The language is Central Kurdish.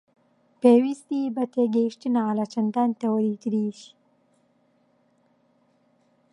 پێویستی بە تێگەیشتنە لە چەندان تەوەری تریش